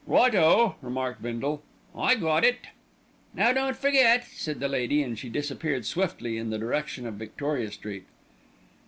"Right o!" remarked Bindle, "I got it." "Now don't forget!" said the lady, and she disappeared swiftly in the direction of Victoria Street.